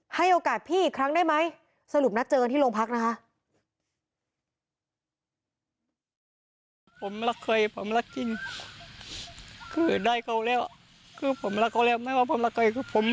ให้โอกาสพี่อีกครั้งได้ไหม